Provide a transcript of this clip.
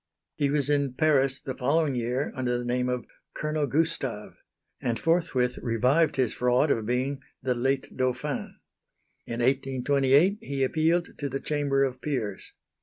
He was in Paris the following year under the name of "Colonel Gustave," and forthwith revived his fraud of being "the late Dauphin." In 1828, he appealed to the Chamber of Peers.